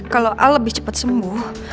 kalau a lebih cepat sembuh